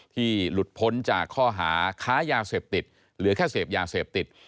หลุดพ้นจากข้อหาค้ายาเสพติดเหลือแค่เสพยาเสพติด